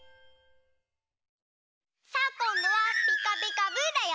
さあこんどは「ピカピカブ！」だよ。